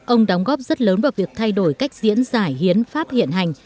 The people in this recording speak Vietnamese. ông đóng góp rất lớn vào việc thay đổi cách diễn giải hiến pháp hiện hành